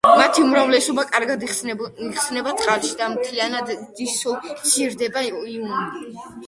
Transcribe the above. მათი უმრავლესობა კარგად იხსნება წყალში და მთლიანად დისოცირდებიან იონებად.